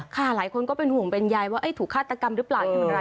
หลายคนก็เป็นห่วงเป็นใยว่าถูกฆาตกรรมหรือเปล่าอย่างไร